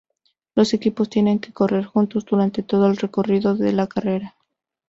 Los equipos tienen que correr juntos durante todo el recorrido de la carrera.